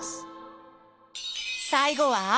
最後は？